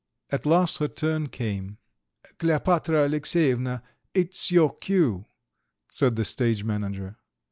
At last her turn came. "Kleopatra Alexyevna, it's your cue!" said the stage manager.